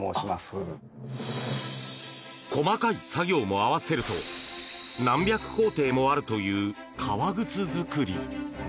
細かい作業も合わせると何百工程もあるという革靴作り。